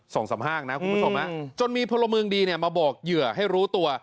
สองสามห้างนะคุณผู้ชมนะจนมีพลเมืองดีเนี่ยมาบอกเหยื่อให้รู้ตัว